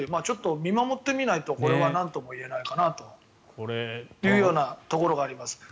ちょっと見守ってみないとこれはなんとも言えないかなというようなところがあります。